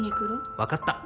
分かった